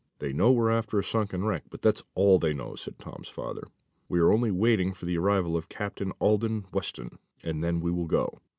"They know we're after a sunken wreck, but that's all they do know," said Tom's father. "We are only waiting for the arrival of Captain Alden Weston, and then we will go.